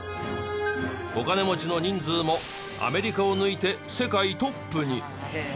お金持ちの人数もアメリカを抜いて世界トップに。